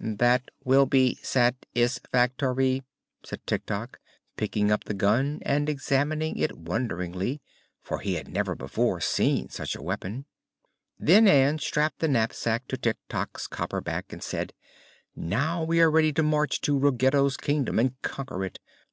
"That will be sat is fac tor y," said Tik Tok, picking up the gun and examining it wonderingly, for he had never before seen such a weapon. Then Ann strapped the knapsack to Tik Tok's copper back and said: "Now we are ready to march to Ruggedo's Kingdom and conquer it.